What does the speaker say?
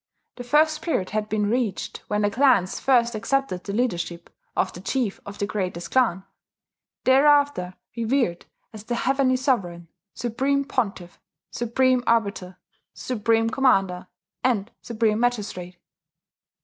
The first period had been reached when the clans first accepted the leadership of the chief of the greatest clan, thereafter revered as the Heavenly Sovereign, Supreme Pontiff, Supreme Arbiter, Supreme Commander, and Supreme Magistrate.